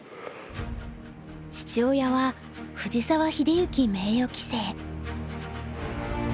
父親は藤沢秀行名誉棋聖。